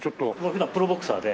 普段プロボクサーで。